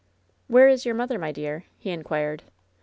"Where is your mother, my dear?" he inquired.